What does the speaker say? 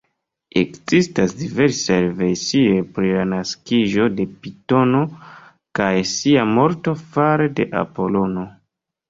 Ekzistas diversaj versioj pri la naskiĝo de Pitono kaj sia morto fare de Apolono.